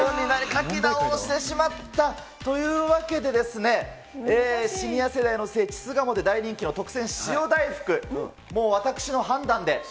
書き直してしまったというわけでですね、シニア世代の聖地、巣鴨で大人気の特選塩大福、もう私の判断で。